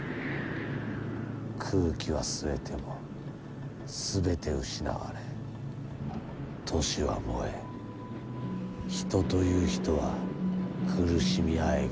空気は吸えても全て失われ都市は燃え人という人は苦しみあえぐ。